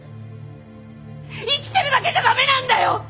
生きてるだけじゃダメなんだよ！